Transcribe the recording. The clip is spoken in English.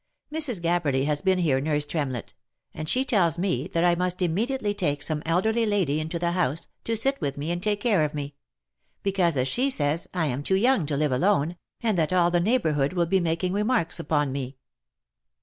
Mrs. Gabberly has been here, nurse Tremlett ; and she tells me that I must immediately take some elderly lady into the house, to sit with me and take care of me; because, as she says, I am too young to live alone, and that all the neighbourhood will be making remarks upon me."